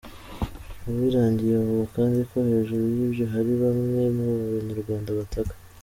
Uwiragiye avuga kandi ko hejuru y’ibyo hari bamwe mu Banyarwanda bataka.